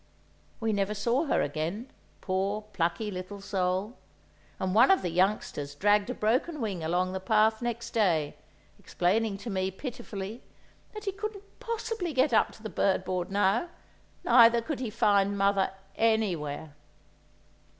We never saw her again, poor, plucky little soul; and one of the youngsters dragged a broken wing along the path next day, explaining to me, pitifully, that he couldn't possibly get up to the bird board now, neither could he find mother anywhere.